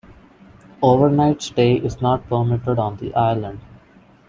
Overnight stay is not permitted on the island.